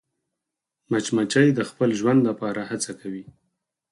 مچمچۍ د خپل ژوند لپاره هڅه کوي